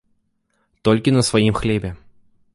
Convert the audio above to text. Толькі на сваім хлебе.